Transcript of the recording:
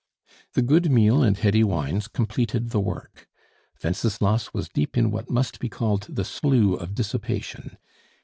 The good meal and heady wines completed the work; Wenceslas was deep in what must be called the slough of dissipation.